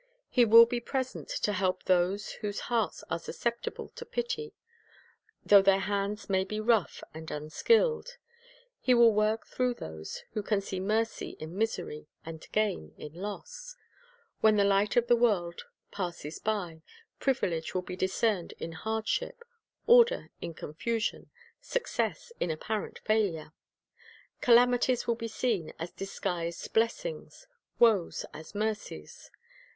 He will be present to help those whose hearts are susceptible to pity, though their hands may be rough and unskilled. He will work through those who can see mercy in misery, and gain in loss. When the Light of the world passes by, privilege will be discerned in hardship, order in confusion, success in apparent failure. Calamities will be seen as disguised blessings; woes, as mercies.